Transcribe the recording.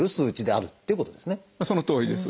そのとおりです。